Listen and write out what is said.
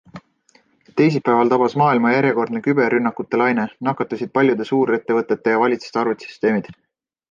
Teisipäeval tabas maailma järjekordne küberrünnakute laine, nakatusid paljude suurettevõtete ja valitsuste arvutisüsteemid.